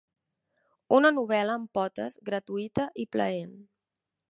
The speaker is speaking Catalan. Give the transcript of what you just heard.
Una novel·la amb potes, gratuïta i plaent.